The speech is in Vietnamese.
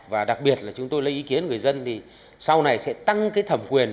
và đặc biệt là chúng tôi lấy ý kiến người dân thì sau này sẽ tăng cái thẩm quyền